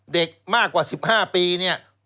เด็กมากกว่า๑๕ปี